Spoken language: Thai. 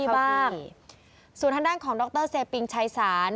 ยังไม่เข้าที่บ้างส่วนทางด้านของดรเซปิงชัยศาล